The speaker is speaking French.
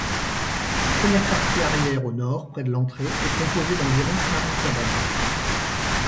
La première partie arrière au nord près de l'entrée est composé d'environ quarante cabanes.